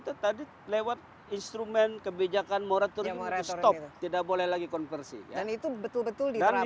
tetapi lewat instrumen kebijakan moratorium rai stop tidak boleh lagi konversi dan itu betul betul